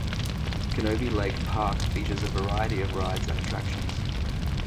Canobie Lake Park features a variety of rides and attractions.